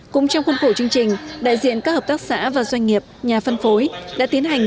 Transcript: cũng trong khuôn khổ chương trình đại diện các hợp tác xã và doanh nghiệp nhà phân phối đã tiến hành